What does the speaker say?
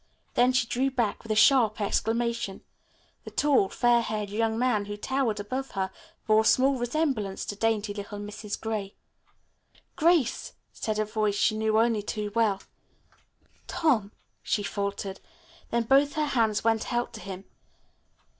Then she drew back with a sharp exclamation. The tall, fair haired young man who towered above her bore small resemblance to dainty little Mrs. Gray. [Illustration: Tom's Strong Hands Closed Over Hers.] "Grace!" said a voice she knew only too well. "Tom," she faltered. Then both her hands went out to him.